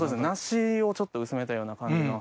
なしをちょっと薄めたような。